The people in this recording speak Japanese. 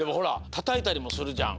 たたいたりもするじゃん。